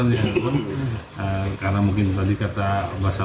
petugas yang menangkapnya menangkapnya